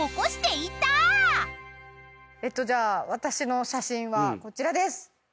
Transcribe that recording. えっとじゃあ私の写真はこちらです。